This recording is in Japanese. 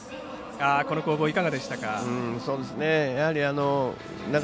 この攻防、いかがでしたか？